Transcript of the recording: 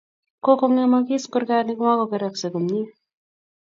Kokong'emagis kurgani, mokeraksey komnye